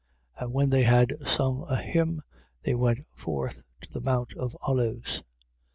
14:26. And when they had sung an hymn, they went forth to the mount of Olives.